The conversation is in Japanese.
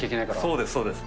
そうです、そうです。